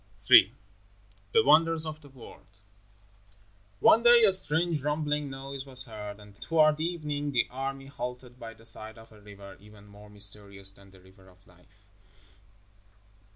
III THE WONDERS OF THE WORLD One day a strange rumbling noise was heard, and toward evening the army halted by the side of a river even more mysterious than the River of Life.